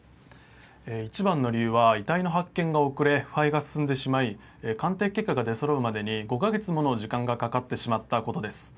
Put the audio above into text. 一番の理由は遺体の発見が遅れ腐敗が進んでしまい鑑定結果が出そろうまでに５か月もの時間がかかってしまったことです。